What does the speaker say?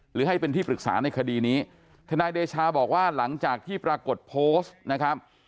หรือให้เป็นที่ปรึกษาในคดีนี้ทนายเดชาบอกว่าหลังจากที่ปรากฏโพสต์นะครับ